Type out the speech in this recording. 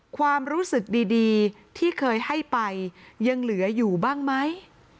ความรู้สึกดีที่เคยให้ไปยังเหลืออยู่บ้างไหม